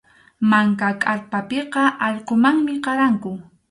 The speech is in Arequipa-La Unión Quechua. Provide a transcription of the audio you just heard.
Manka kʼarpapiqa allqumanmi qaranku.